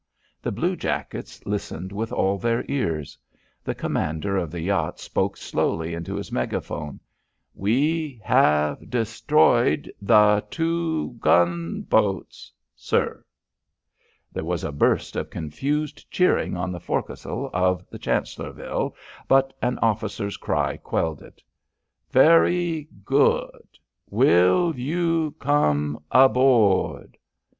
The blue jackets listened with all their ears. The commander of the yacht spoke slowly into his megaphone: "We have destroyed the two gun boats sir." There was a burst of confused cheering on the forecastle of the Chancellorville, but an officer's cry quelled it. "Very good. Will you come aboard?"